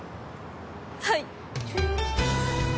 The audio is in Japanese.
はい。